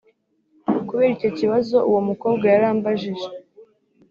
Kubera icyo kibazo uwo mukobwa yari ambajije